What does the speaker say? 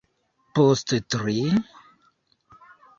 Post tri...